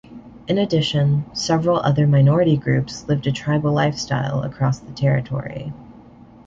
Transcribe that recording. In addition, several other minority groups lived a tribal lifestyle across the territory.